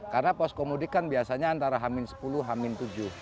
karena posko mudik kan biasanya antara hamin sepuluh hamin tujuh